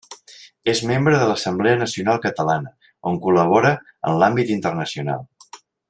És membre de l'Assemblea Nacional Catalana on col·labora en l'àmbit internacional.